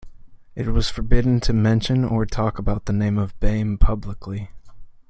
It was forbidden to mention or talk about the name of Baiame publicly.